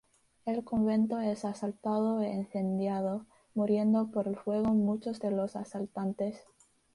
El convento es asaltado e incendiado, muriendo por el fuego muchos de los asaltantes.